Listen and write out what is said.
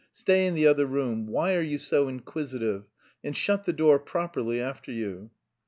Stay in the other room. Why are you so inquisitive? And shut the door properly after you."